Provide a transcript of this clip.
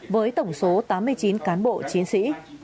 với tổng số tám mươi chín cán bộ chính quy